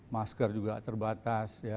masker juga terbatas